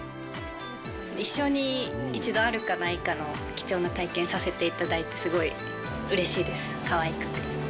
一生に一度あるかないかの貴重な体験をさせていただいて、すごいうれしいです、かわいくて。